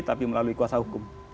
tapi melalui kuasa hukum